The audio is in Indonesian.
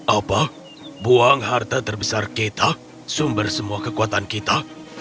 apa buang harta terbesar kita sumber semua kekuatan kita